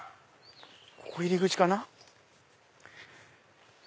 ここ入り口かな。